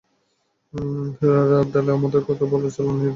শুনেছি, আড়ালে-আবডালে আমার কথা বলা এবং চলন নিয়ে নানা কথা হয়।